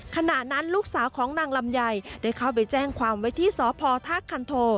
ขณะนั้นลูกสาวของนางลำไยได้เข้าไปแจ้งความไว้ที่สพท่าคันโท